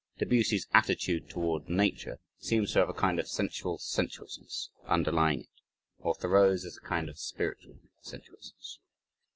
Debussy's attitude toward Nature seems to have a kind of sensual sensuousness underlying it, while Thoreau's is a kind of spiritual sensuousness.